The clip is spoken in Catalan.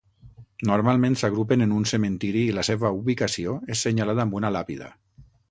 Normalment s'agrupen en un cementiri i la seva ubicació és senyalada amb una làpida.